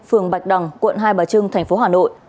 phường bạch đằng quận hai bà trưng thành phố hà nội